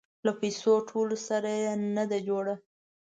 له پيسو ټولولو سره يې نه ده جوړه.